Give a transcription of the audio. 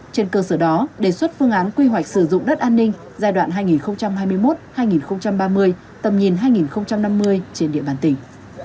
trên cơ sở đó đề xuất phương án quy hoạch sử dụng đất an ninh giai đoạn hai nghìn hai mươi một hai nghìn ba mươi tầm nhìn hai nghìn năm mươi trên địa bàn tỉnh